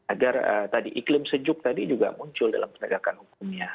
agar tadi iklim sejuk tadi juga muncul dalam penegakan hukumnya